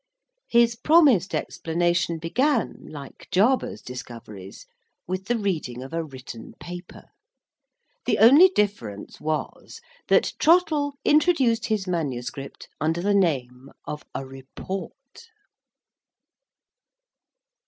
His promised explanation began, like Jarber's discoveries, with the reading of a written paper. The only difference was that Trottle introduced his manuscript under the name of a Report.